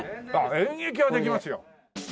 演劇はできますよ。